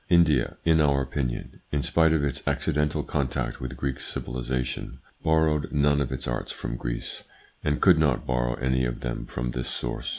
India, in our opinion, in spite of its accidental contact with Greek civilisation, borrowed none of its arts from Greece and could not borrow any of them from this source.